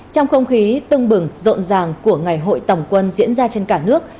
trong không khí tưng bừng rộn ràng của ngày hội tổng quân diễn ra trên cả nước